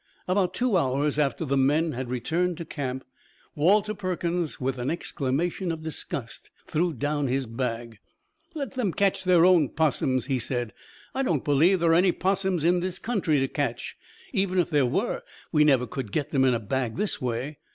About two hours after the men had returned to camp, Walter Perkins, with an exclamation of disgust, threw down his bag. "Let them catch their own 'possums," he said. "I don't believe there are any 'possums in this country to catch. Even if there were we never could get them in a bag this way.